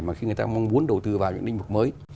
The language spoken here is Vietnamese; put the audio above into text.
mà khi người ta mong muốn đầu tư vào những lĩnh vực mới